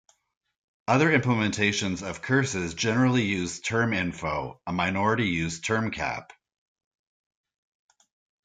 Other implementations of curses generally use terminfo; a minority use termcap.